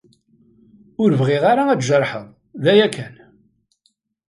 Ur bɣiɣ ara ad tjerḥeḍ, d aya kan.